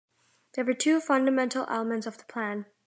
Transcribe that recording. There were two fundamental elements of the plan.